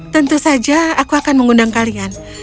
tentu saja aku akan mengundang kalian